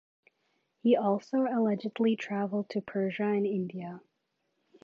He also allegedly travelled to Persia and India.